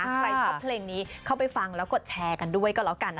ใครชอบเพลงนี้เข้าไปฟังแล้วกดแชร์กันด้วยก็แล้วกัน